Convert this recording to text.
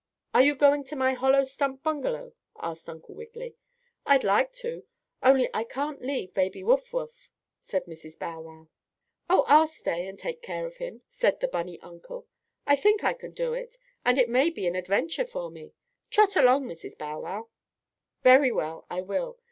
"Are you going to my hollow stump bungalow?" asked Uncle Wiggily. "I'd like to, only I can't leave Baby Wuff Wuff," said Mrs. Bow Wow. "Oh, I'll stay and take care of him," said the bunny uncle. "I think I can do it, and it may be an adventure for me. Trot along, Mrs. Bow Wow." "Very well, I will.